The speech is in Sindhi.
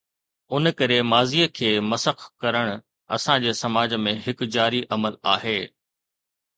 ان ڪري ماضيءَ کي مسخ ڪرڻ اسان جي سماج ۾ هڪ جاري عمل آهي.